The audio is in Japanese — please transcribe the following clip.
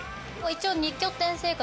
一応２拠点生活。